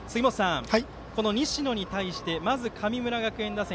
この西野に対してまず、神村学園打線